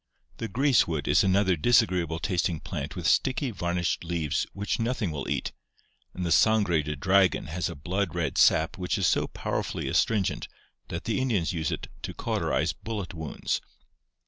The greasewood is another dis agreeable tasting plant with sticky varnished leaves which nothing will eat, and the sangre de dragon has a blood red sap which is so powerfully astringent that the Indians use it to cauterize bullet wounds.